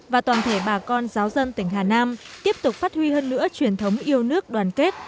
và toàn thể bà con giáo dân tỉnh hà nam tiếp tục phát huy hơn nữa truyền thống yêu nước đoàn kết